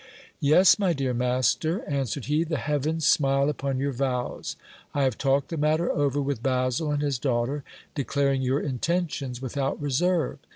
Yes, my dear master, answered he, the heavens smile upon your vows. I have talked the matter over with Basil and his daughter, declaring your intentions without reserve.